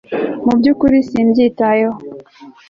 mubyukuri simbyitayeho